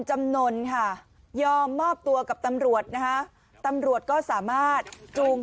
จำนวนค่ะยอมมอบตัวกับตำรวจนะคะตำรวจก็สามารถจูง